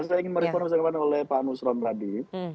saya ingin meresponkan oleh pak anusron tadi